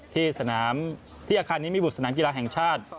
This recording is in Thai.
ที่สนามที่อาคารนิมิบุตรสนามกีฬาแห่งชาติ